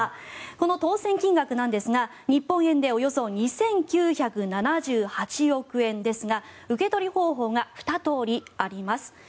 この当選金額なんですが日本円でおよそ２９７８億円ですが受け取り方法が２通りあります。